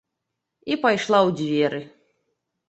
І пайшла ў дзверы.